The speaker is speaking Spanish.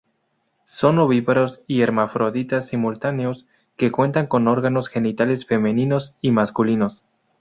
Son ovíparos y hermafroditas simultáneos, que cuentan con órganos genitales femeninos y masculinos.